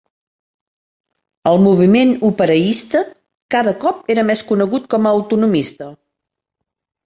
El moviment "operaista" cada cop era més conegut com a autonomista.